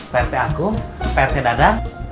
pt akum pt dadang